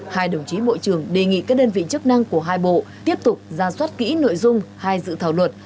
hai đồng chí bộ trưởng đề nghị các đơn vị chức năng của hai bộ tiếp tục ra soát kỹ nội dung hai dự thảo luật